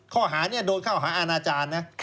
ข้อหานี้โดนเข้าหาอาณาจารย์นะ